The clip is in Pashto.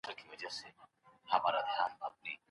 اقتصادي لاملونه د حکومت تګلاري بدلوي.